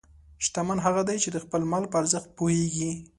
شتمن هغه دی چې د خپل مال په ارزښت پوهېږي.